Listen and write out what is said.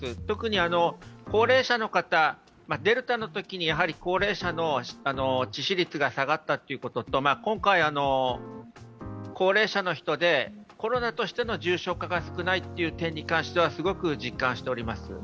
特に高齢者の方、デルタのときに高齢者の致死率が下がったということ、今回、高齢者の人でコロナとしての重症化が少ないという点に関しては、すごく実感しております。